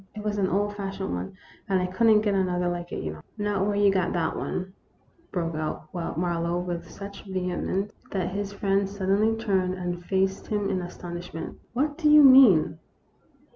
" It was an old fashioned one, and I could n't get another like it, you know." " Not where you got that one," broke out Mar lowe, with such vehemence that his friend suddenly turned and faced him in astonishment. " What do you mean